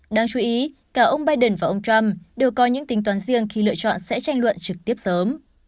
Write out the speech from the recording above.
đáng chú ý cả ông biden và ông trump đều có những tính toán riêng khi lựa chọn sẽ tranh luận trực tiếp sớm